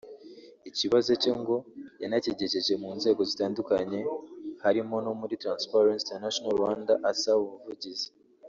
ikibazo cye ngo yanakigejeje mu nzego zitandukanye harimo no muri Transparency International Rwanda asaba ubuvugizi